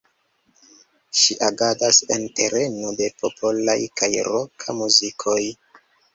Ŝi agadas en tereno de popola kaj roka muzikoj.